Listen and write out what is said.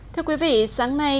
thưa quý vị sáng nay